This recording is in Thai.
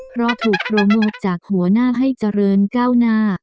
เพราะถูกโปรโมทจากหัวหน้าให้เจริญก้าวหน้า